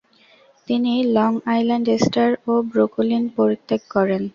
তিনি Long Island Star ও Brooklyn পরিত্যাগ করেন।